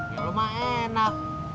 ya lo mah enak